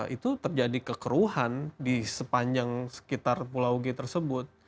itu terjadi kekeruhan di sepanjang sekitar pulau g tersebut